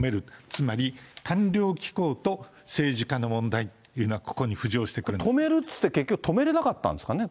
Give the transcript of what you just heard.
つまり官僚機構と政治家の問題というのが、ここに浮上してくるん止めるっていって結局、止めれなかったんですかね？